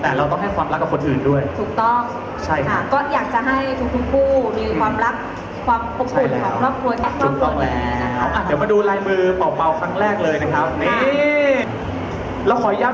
ครับนี่เราขอยับด้วยแล้วกันนะครับว่ารายได้นี่นะครับ